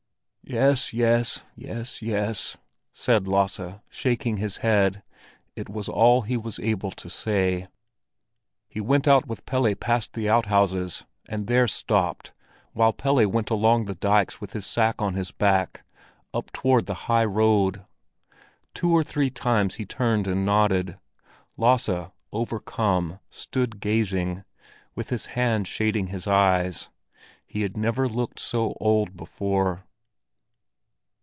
"Yes, yes; yes, yes!" said Lasse, shaking his head. It was all he was able to say. He went out with Pelle past the out houses, and there stopped, while Pelle went on along the dikes with his sack on his back, up toward the high road. Two or three times he turned and nodded; Lasse, overcome, stood gazing, with his hand shading his eyes. He had never looked so old before.